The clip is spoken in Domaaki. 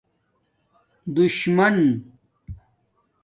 دُشمن